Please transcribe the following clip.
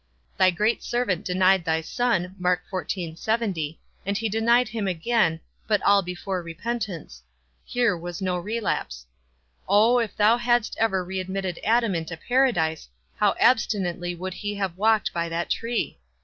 Thy great servant denied thy Son, and he denied him again, but all before repentance; here was no relapse. O, if thou hadst ever readmitted Adam into Paradise, how abstinently would he have walked by that tree!